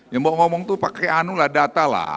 yang bawa ngomong itu pakai anu lah data lah